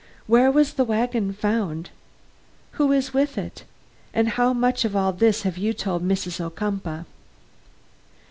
Where was the wagon found? Who is with it? And how much of all this have you told Mrs. Ocumpaugh?"